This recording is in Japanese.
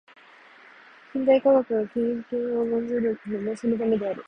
近代科学が経験を重んずるのもそのためである。